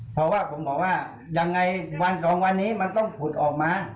เพราะว่าผมบอกว่ายังไงวันสองวันนี้มันต้องขุดออกมา